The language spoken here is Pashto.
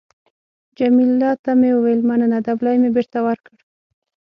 جميله ته مې وویل: مننه. دبلی مې بېرته ورکړ.